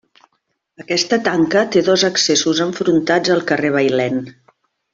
Aquesta tanca té dos accessos enfrontats al carrer Bailèn.